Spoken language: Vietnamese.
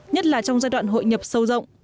nhất là trong giai đoạn hội nhập sâu rộng